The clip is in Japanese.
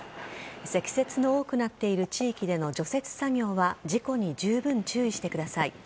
積雪の多くなっている地域での除雪作業は事故にじゅうぶん注意してください。